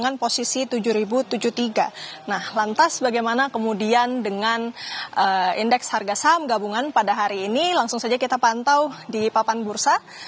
nah lantas bagaimana kemudian dengan indeks harga saham gabungan pada hari ini langsung saja kita pantau di papan bursa